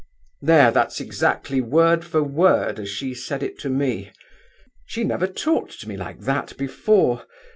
There, that's exactly word for word as she said it to me. She never talked to me like that before.